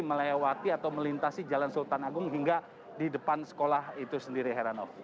jadi melewati atau melintasi jalan sultan agung hingga di depan sekolah itu sendiri heranov